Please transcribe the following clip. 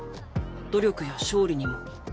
努力や勝利にも。